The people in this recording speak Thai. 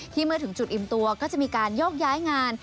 เมื่อถึงจุดอิ่มตัวก็จะมีการโยกย้ายงาน